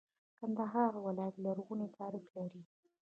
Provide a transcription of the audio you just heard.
کندهار ولایت لرغونی تاریخ لري.